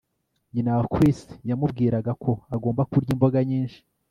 Nyina wa Chris yamubwiraga ko agomba kurya imboga nyinshi